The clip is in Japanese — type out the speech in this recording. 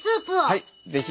はい是非。